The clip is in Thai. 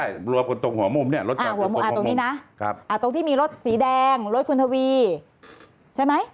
ใช่รวมกันตรงหัวมุมเนี่ยอ่าตรงนี้นะครับอ่าตรงที่มีรถสีแดงรถคุณทวีใช่ไหม